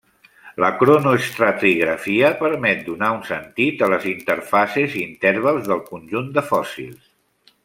La cronoestratigrafia permet donar un sentit a les interfases i intervals dels conjunts de fòssils.